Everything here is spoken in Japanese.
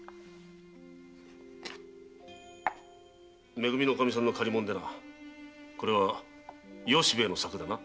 め組のおかみさんの借り物でなこれは由兵衛の作だな。